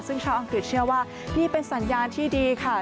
ซึ่งชาวอังกฤษเชื่อว่านี่เป็นสัญญาณที่ดีค่ะ